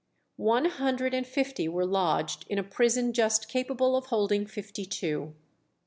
One hundred and fifty were lodged in a prison just capable of holding fifty two.